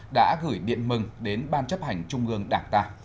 đã gửi điện mừng đến ban chấp hành trung ương đảng ta